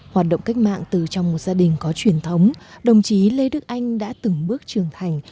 hoạt động cách mạng từ trong một gia đình có truyền thống đồng chí lê đức anh đã từng bước trường thành